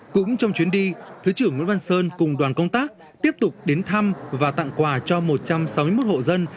cũng trong chuyến đi thứ trưởng nguyễn văn sơn cùng đoàn công tác tiếp tục đến thăm và tặng quà cho một trăm sáu mươi một hộ dân